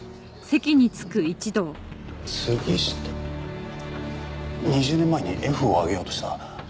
杉下２０年前にＦを挙げようとした？